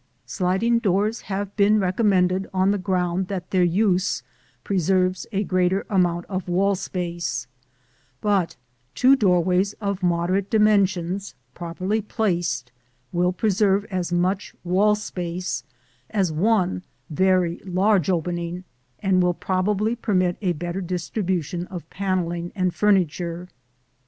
Sliding doors have been recommended on the ground that their use preserves a greater amount of wall space; but two doorways of moderate dimensions, properly placed, will preserve as much wall space as one very large opening and will probably permit a better distribution of panelling and furniture.